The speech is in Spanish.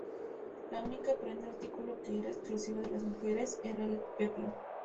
La única prenda artículo que era exclusiva de las mujeres era el peplo.